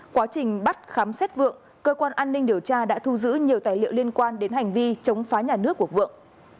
quá trình bắt khám xét vượng cơ quan an ninh điều tra đã thu giữ nhiều tài liệu liên quan đến hành vi chống phá nhà nước của vượng